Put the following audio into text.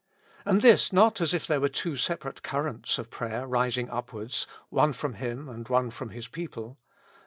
And this not as if there were two separate currents of prayer rising upwards, one from Him, and one from His people.